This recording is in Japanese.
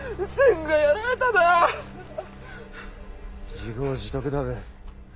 自業自得だべ。